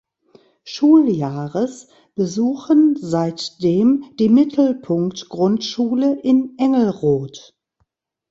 Schuljahres besuchen seitdem die Mittelpunkt-Grundschule in Engelrod.